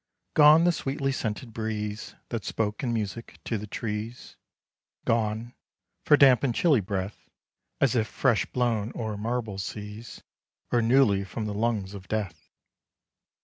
Gone the sweetly scented breeze That spoke in music to the trees; Gone for damp and chilly breath, As if fresh blown o'er marble seas, Or newly from the lungs of Death.